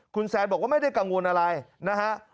คุณแซนบอกว่าไม่ได้กังวลอะไรนะฮะ